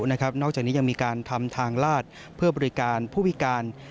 นอกจากนี้ยังมีการทำทางลาดเพื่อบริการผู้พิการ